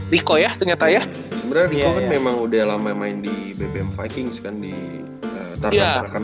rico ya ternyata ya sebenernya rico kan memang udah lama main di bbm vikings kan di tarkam